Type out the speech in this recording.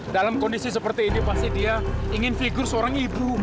dalam kondisi seperti ini pasti dia ingin figur seorang ibu